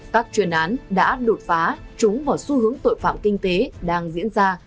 các chuyên án đã đột phá chúng vào xu hướng tội phạm kinh tế đang diễn ra